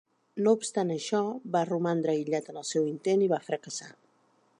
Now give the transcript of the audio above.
No obstant això, va romandre aïllat en el seu intent i va fracassar.